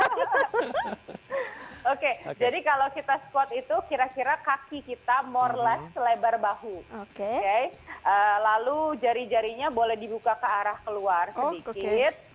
cewek cewek biasanya suka squat